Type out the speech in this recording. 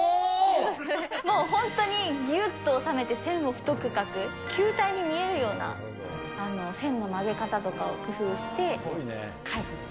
もう本当にぎゅっと収めて線を太く書く、球体に見えるような線の曲げ方とかを工夫して書いてます。